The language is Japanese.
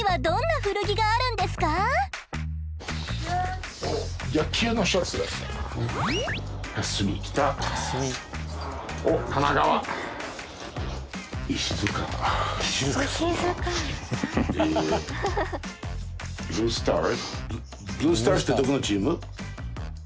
ブルースターズってどこのチーム？